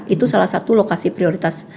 itu salah satu lokasi prioritas